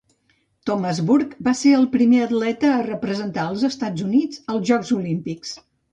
Thomas Burke va ser el primer atleta a representar els Estats Units als Jocs Olímpics.